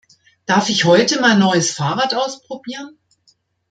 Darf ich heute mein neues Fahrrad ausprobieren?